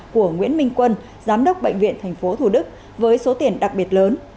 của nguyễn minh quân giám đốc bệnh viện tp thủ đức với số tiền đặc biệt lớn